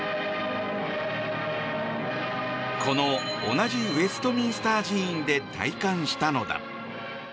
この同じウェストミンスター寺院で戴冠したのだ。